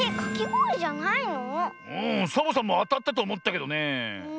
サボさんもあたったとおもったけどねえ。